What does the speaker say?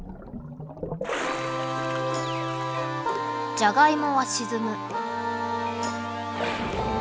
じゃがいもは沈む。